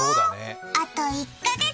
あと１カ月。